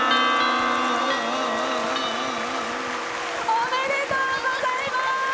おめでとうございます！